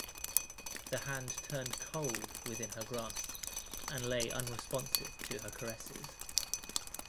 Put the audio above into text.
The hand turned cold within her grasp, and lay unresponsive to her caresses.